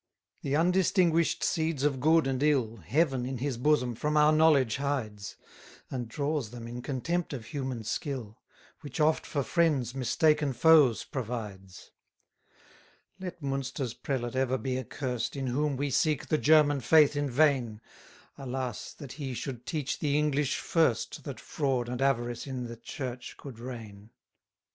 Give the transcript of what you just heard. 36 The undistinguish'd seeds of good and ill, Heaven, in his bosom, from our knowledge hides: And draws them in contempt of human skill, Which oft for friends mistaken foes provides. 37 Let Munster's prelate ever be accurst, In whom we seek the German faith in vain: Alas, that he should teach the English first, That fraud and avarice in the Church could reign!